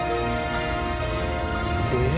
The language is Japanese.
えっ？